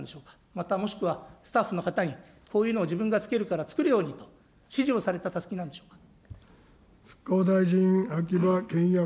またもしくはスタッフの方に、こういうのを自分がつけるから作るようにと指示をされたたすきなんでしょうか。